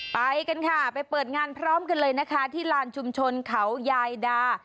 ไปกันค่ะไปเปิดงานพร้อมกันเลยนะคะที่ลานชุมชนเขายายดา